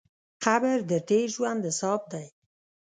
قبر د تېر ژوند حساب دی.